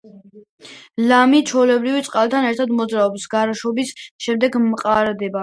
ლამი, ჩვეულებრივ, წყალთან ერთად მოძრაობს, გაშრობის შემდეგ მყარდება.